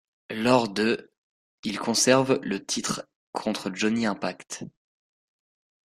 Lors de ', il conserve le titre contre Johnny Impact.